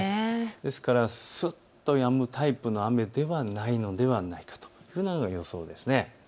ですからすっとやむタイプの雨ではないのではないかというような予想です。